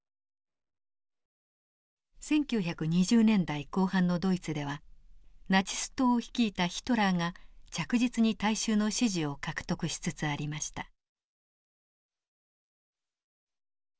１９２０年代後半のドイツではナチス党を率いたヒトラーが着実に大衆の支持を獲得しつつありました。